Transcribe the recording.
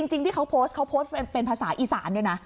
ที่เขาโพสต์เขาโพสต์เป็นภาษาอีสานเนี่ยนะ